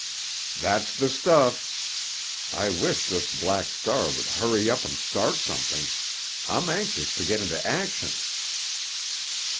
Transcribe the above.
"That's the stuff! I wish this Black Star would hurry up and start something. I'm anxious to get into action."